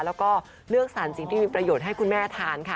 แล้วก็เลือกสารสิ่งที่มีประโยชน์ให้คุณแม่ทานค่ะ